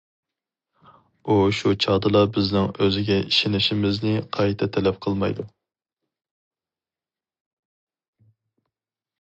ئۇ شۇ چاغدىلا بىزنىڭ ئۆزىگە ئىشىنىشىمىزنى قايتا تەلەپ قىلمايدۇ.